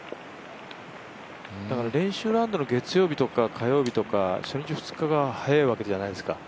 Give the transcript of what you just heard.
だから練習ラウンドの月曜日とか火曜日とか初日、２日が速いわけじゃないですか